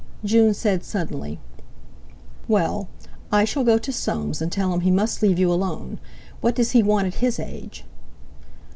June said suddenly: "Well, I shall go to Soames and tell him he must leave you alone. What does he want at his age?"